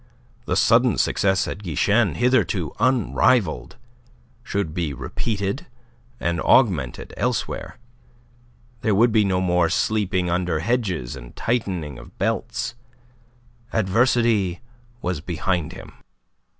The sudden success at Guichen, hitherto unrivalled, should be repeated and augmented elsewhere. There would be no more sleeping under hedges and tightening of belts. Adversity was behind him.